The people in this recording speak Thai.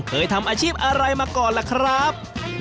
เคยทำอาชีพอะไรมาก่อนล่ะครับ